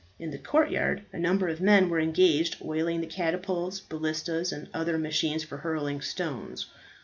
In the courtyard a number of men were engaged oiling the catapults, ballistas, and other machines for hurling stones.